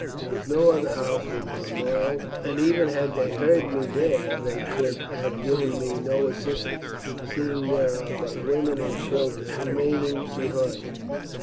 There is no other house within a mile, and even had they heard me there they could have given me no assistance, seeing there are but women and children remaining behind."